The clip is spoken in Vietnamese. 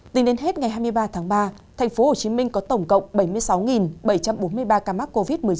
tính đến hết ngày hai mươi ba tháng ba thành phố hồ chí minh có tổng cộng bảy mươi sáu bảy trăm bốn mươi ba ca mắc covid một mươi chín